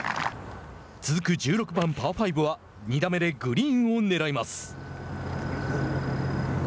続く１６番パー５は２打目でグリーンをねらいます。